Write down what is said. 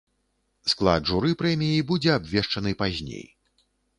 Склад журы прэміі будзе абвешчаны пазней.